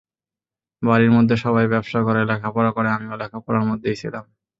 বাড়ির মধ্যে সবাই ব্যবসা করে, লেখাপড়া করে, আমিও লেখাপড়ার মধ্যেই ছিলাম।